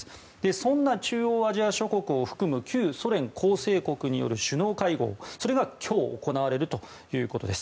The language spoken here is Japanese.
そんな中央アジア諸国を含む旧ソ連構成国を含む首脳会合それが今日、行われるということです。